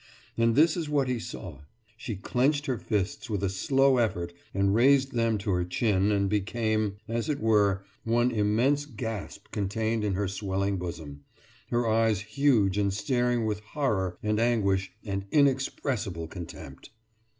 And this is what he saw: she clenched her fists with a slow effort and raised them to her chin and became, as it were, one immense gasp contained in her swelling bosom, her eyes huge and staring with horror and anguish and inexpressible contempt.